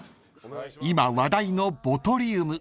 ［今話題のボトリウム］